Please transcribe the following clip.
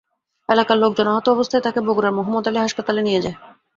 এলাকার লোকজন আহত অবস্থায় তাঁকে বগুড়ার মোহাম্মদ আলী হাসপাতালে নিয়ে যায়।